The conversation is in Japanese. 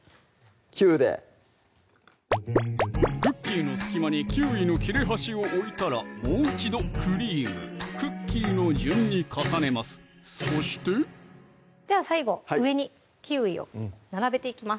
９でクッキーの隙間にキウイの切れ端を置いたらもう一度クリームクッキーの順に重ねますそしてじゃあ最後上にキウイを並べていきます